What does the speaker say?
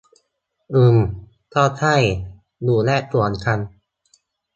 อืม ก็ใช่ อยู่แยกส่วนกัน